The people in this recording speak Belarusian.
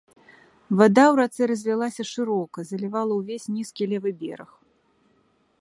Вада ў рацэ разлілася шырока, залівала ўвесь нізкі левы бераг.